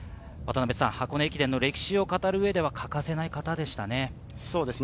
箱根駅伝の歴史を語る上では欠かせない方でしたね。